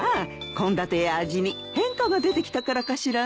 献立や味に変化が出てきたからかしらね。